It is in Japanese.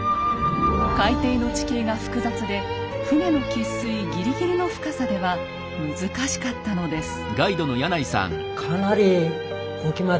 海底の地形が複雑で船の喫水ぎりぎりの深さでは難しかったのです。